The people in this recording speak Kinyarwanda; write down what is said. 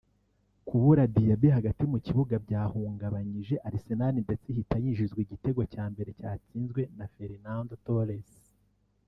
Kubura Diaby hagati mu kibuga byahungabanyije Arsenal ndetse ihita yinjizwa igitego cya mbere cyatsinzwe na Fernando Torres